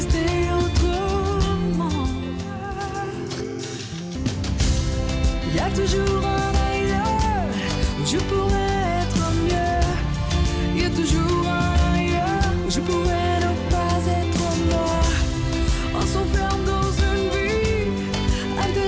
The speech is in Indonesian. terus giginya coklat semua